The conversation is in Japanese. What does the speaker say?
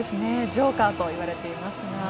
ジョーカーと言われていますが。